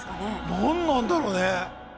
何なんだろうね。